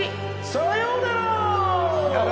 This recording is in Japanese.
さようなら！